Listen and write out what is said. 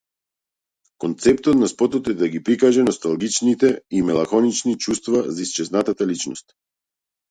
Концептот на спотот е да ги прикаже носталгичните и меланхолични чувства за исчезната личност.